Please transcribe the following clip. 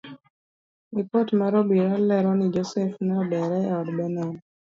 Lipot mar obila lero ni joseph ne odere ei od benard.